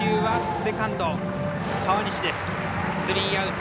スリーアウト。